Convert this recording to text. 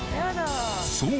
そう！